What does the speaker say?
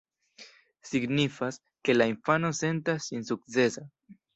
Signifas, ke la infano sentas sin sukcesa.